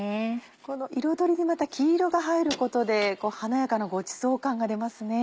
この彩りにまた黄色が入ることで華やかなごちそう感が出ますね。